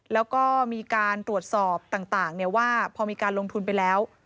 แล้วก็มีการตรวจสอบต่างว่าพอมีการลงทุนไปแล้ว